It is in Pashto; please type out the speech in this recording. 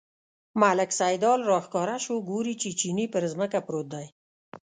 ملک سیدلال راښکاره شو، ګوري چې چیني پر ځمکه پروت دی.